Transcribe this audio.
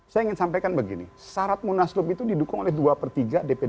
saya ingin sampaikan begini syarat munaslup itu didukung oleh dua per tiga dpd